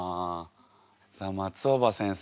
さあ松尾葉先生